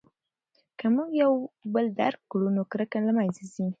که موږ یو بل درک کړو نو کرکه له منځه ځي.